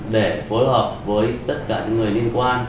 để phối hợp với tất cả những người liên quan